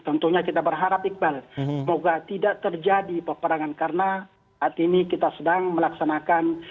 tentunya kita berharap iqbal semoga tidak terjadi peperangan karena saat ini kita sedang melaksanakan